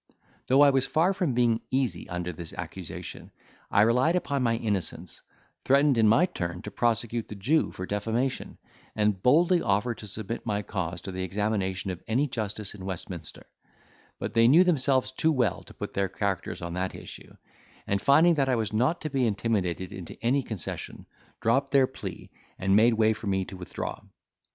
Though I was far from being easy under his accusation, I relied upon my innocence, threatened in my turn to prosecute the Jew, for defamation, and boldly offered to submit my cause to the examination of any justice in Westminster; but they knew themselves too well to put their characters on that issue, and finding that I was not to be intimidated into any concession, dropped their plea, and made way for me to withdraw.